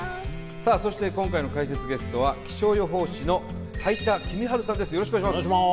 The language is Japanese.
さあそして今回の解説ゲストは気象予報士の斉田季実治さんです